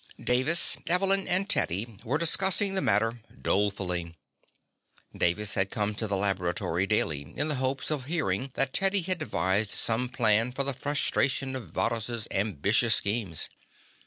Davis, Evelyn, and Teddy were discussing the matter dolefully. Davis had been coming to the laboratory daily in the hopes of hearing that Teddy had devised some plan for the frustration of Varrhus' ambitious schemes.